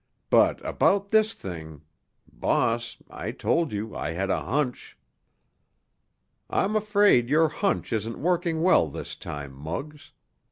But, about this thing—— Boss, I told you I had a hunch." "I'm afraid your hunch isn't working well this time, Muggs.